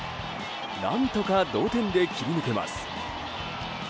何とか同点で切り抜けます。